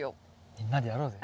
みんなでやろうぜ。